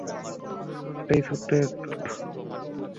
হুম, এটার ছোট্ট একটা অংশ মাত্র।